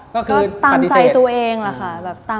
ก็ตามใจตัวเองแหละค่ะ